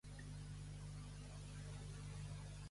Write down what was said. On s'esmenta a Skáldskaparmál?